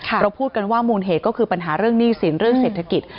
เราพูดกันว่ามูลเหตุก็คือปัญหาเรื่องหนี้สินเรื่องเศรษฐกิจ